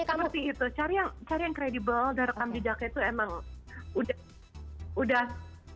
seperti itu cari yang kredibel dan rekam jejaknya itu emang udah